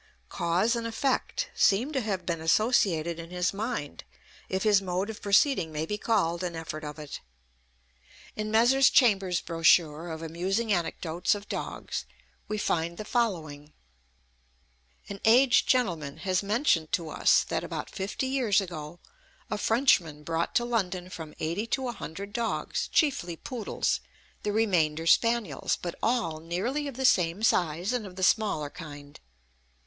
Cause and effect seem to have been associated in his mind, if his mode of proceeding may be called an effort of it. In Messrs. Chambers' brochure of amusing anecdotes of dogs we find the following: An aged gentleman has mentioned to us that, about fifty years ago, a Frenchman brought to London from eighty to a hundred dogs, chiefly poodles, the remainder spaniels, but all nearly of the same size, and of the smaller kind.